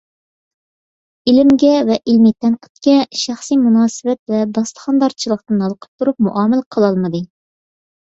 ئىلىمگە ۋە ئىلمىي تەنقىدكە شەخسىي مۇناسىۋەت ۋە داستىخاندارچىلىقتىن ھالقىپ تۇرۇپ مۇئامىلە قىلالمىدى.